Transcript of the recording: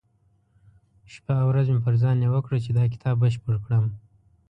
شپه او ورځ مې پر ځان يوه کړه چې دا کتاب بشپړ کړم.